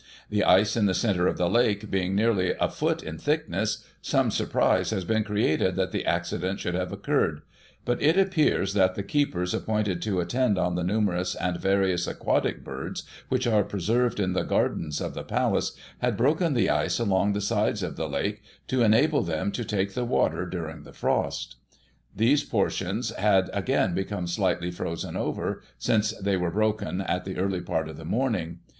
The ice in the centre of the lake being Digitized by Google 154 GOSSIP. [1841 nearly a foot in thickness, some surprise has been created that the accident should have occurred ; but it appears that the keepers appointed to attend on the numerous and various aquatic birds which are preserved in the gardens of the palace, had broken the ice along the sides of the lake to enable them to take the water during the frost. These portions had again become slightly frozen over, since they were broken at an early part of the morning.